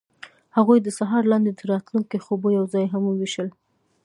هغوی د سهار لاندې د راتلونکي خوبونه یوځای هم وویشل.